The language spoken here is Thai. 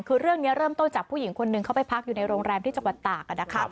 คือเรื่องนี้เริ่มต้นจากผู้หญิงคนหนึ่งเข้าไปพักอยู่ในโรงแรมที่จังหวัดตาก